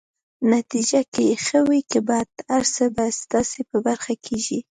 نتیجه که يې ښه وي که بده، هر څه به ستاسي په برخه کيږي.